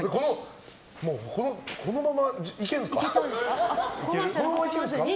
このままいけるんですか？